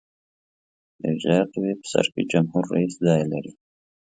د اجرائیه قوې په سر کې جمهور رئیس ځای لري.